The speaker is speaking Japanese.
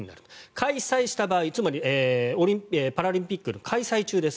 開催した場合つまりパラリンピックの開催中です。